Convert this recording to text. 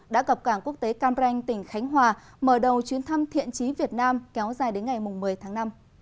đã gặp cảng quốc tế cam ranh tỉnh khánh hòa mở đầu chuyến thăm thiện trí việt nam kéo dài đến ngày một mươi tháng năm